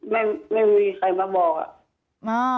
ไม่มีใครมาบอกอะ